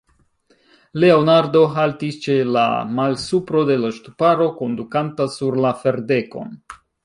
Leonardo haltis ĉe la malsupro de la ŝtuparo, kondukanta sur la ferdekon.